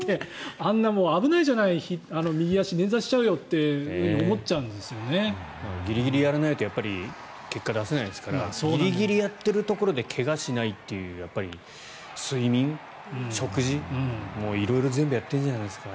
あんな、危ないじゃない右足、捻挫しちゃうよってギリギリやらないと結果を出せないですからギリギリやっているところで怪我をしないっていう睡眠、食事、色々全部やっているんじゃないですか？